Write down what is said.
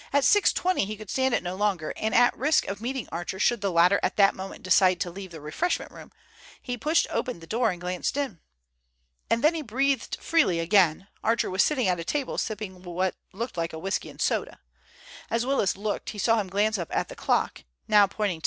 20 he could stand it no longer, and at risk of meeting Archer, should the latter at that moment decide to leave the refreshment room, he pushed open the door and glanced in. And then he breathed freely again. Archer was sitting at a table sipping what looked like a whisky and soda. As Willis looked he saw him glance up at the clock—now pointing to 6.